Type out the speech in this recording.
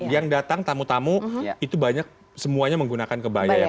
yang datang tamu tamu itu banyak semuanya menggunakan kebaya